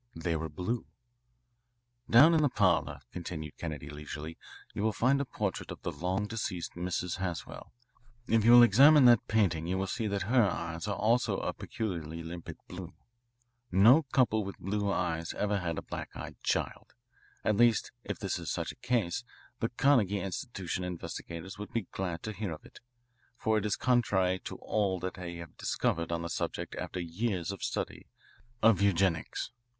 They were blue. "Down in the parlour," continued Kennedy leisurely, "you will find a portrait of the long deceased Mrs. Haswell. If you will examine that painting you will see that her eyes are also a peculiarly limpid blue. o couple with blue eyes ever had a black eyed child. At least, if this is such a case, the Carnegie Institution investigators would be glad to hear of it, for it is contrary to all that they have discovered on the subject after years of study of eugenics.